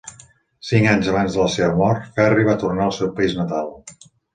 Cinc anys abans de la seva mort, Ferri va tornar al seu país natal.